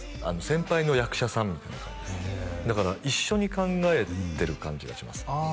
先輩の役者さんみたいな感じですだから一緒に考えてる感じがします